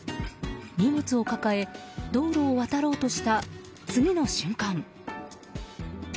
荷物を抱え、道路を渡ろうとした次の瞬間。